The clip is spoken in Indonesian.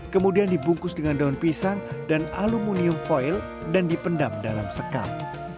kemudian dibungkus dengan daun pisang dan aluminium foil dan dipendam dalam sekam